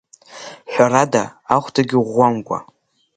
Ҳәарада, ахәдагьы ӷәӷәамкәа!